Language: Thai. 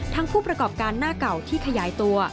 ผู้ประกอบการหน้าเก่าที่ขยายตัว